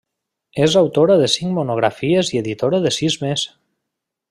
És autora de cinc monografies i editora de sis més.